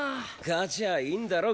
勝ちゃあいいんだろ？